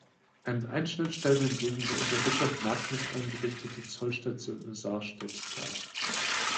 Einen Einschnitt stellte hingegen die unter Bischof Magnus eingerichtete Zollstation in Sarstedt dar.